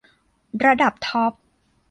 ระดับท็อป